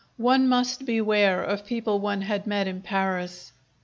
One must beware of people one had met in Paris!